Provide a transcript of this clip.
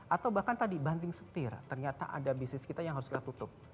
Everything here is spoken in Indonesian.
atau bahkan tadi banting setir ternyata ada bisnis kita yang harus kita tutup